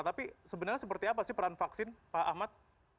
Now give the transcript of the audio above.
tapi sebenarnya seperti apa sih peran vaksin pak ahmad